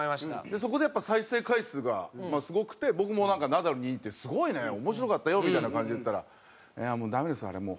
そこで再生回数がすごくて僕もナダルに「すごいね。面白かったよ」みたいな感じで言ったら「ダメですあれもう。